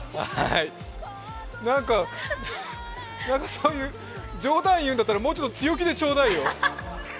なんか、そういう冗談言うんだったら、もうちょっと強気でちょうだいよ。